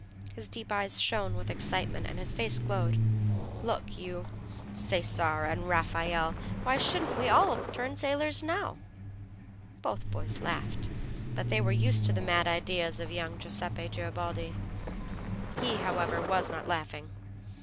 His deep eyes shone with excitement and his face glowed. "Look you, Cesare and Raffaelle, why shouldn't we turn sailors now?" Both boys laughed; they were used to the mad ideas of young Giuseppe Garibaldi. He, however, was not laughing.